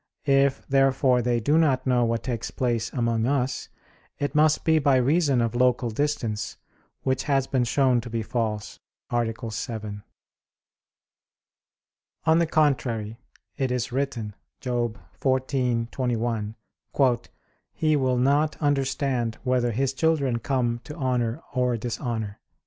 If, therefore, they do not know what takes place among us, it must be by reason of local distance; which has been shown to be false (A. 7). On the contrary, It is written (Job 14:21): "He will not understand whether his children come to honor or dishonor."